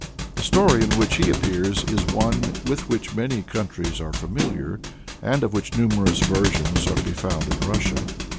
The story in which he appears is one with which many countries are familiar, and of which numerous versions are to be found in Russia.